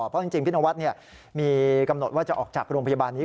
เพราะจริงพี่นวัดมีกำหนดว่าจะออกจากโรงพยาบาลนี้